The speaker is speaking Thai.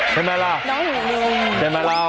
ใช่ไหมล่ะใช่ไหมเล่า